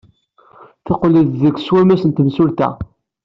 Teqqel-d seg wammas n temsulta.